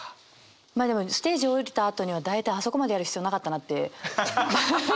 まあでもステージを降りたあとには大体あそこまでやる必要なかったなって。